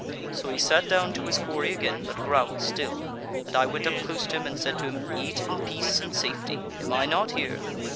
So he sat down to his quarry again, but growled still, and I went up close to him, and said to him: 'Eat in peace and safety, am I not here?'